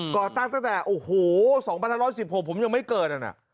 ก่อตั้งตั้งแต่โอ้โหสองพันธุ์ร้อยสิบหกผมยังไม่เกิดอ่ะน่ะ